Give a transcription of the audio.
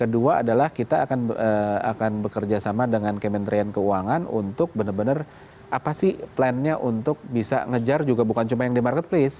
kedua adalah kita akan bekerja sama dengan kementerian keuangan untuk benar benar apa sih plannya untuk bisa ngejar juga bukan cuma yang di marketplace